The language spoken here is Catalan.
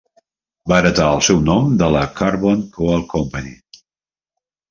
Va heretar el seu nom de la Carbon Coal Company.